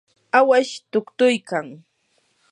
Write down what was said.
awash tuktuykan.